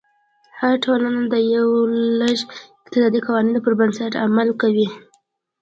هره ټولنه د یو لړ اقتصادي قوانینو پر بنسټ عمل کوي.